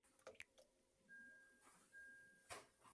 Su centro de operaciones se encuentra en Brisbane.